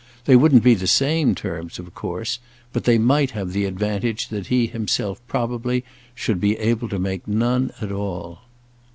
They wouldn't be the same terms of course; but they might have the advantage that he himself probably should be able to make none at all.